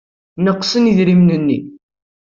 Neqsen yidrimen-nni.